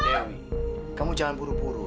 deawi kamu jangan buru buru